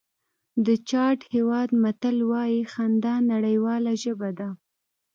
د چاډ هېواد متل وایي خندا نړیواله ژبه ده.